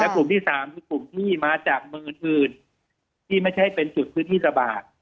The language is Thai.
กลุ่มที่๓คือกลุ่มที่มาจากเมืองอื่นที่ไม่ใช่เป็นจุดพื้นที่ระบาด